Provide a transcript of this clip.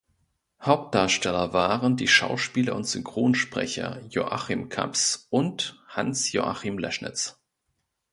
Hauptdarsteller waren die Schauspieler und Synchronsprecher Joachim Kaps und Hans-Joachim Leschnitz.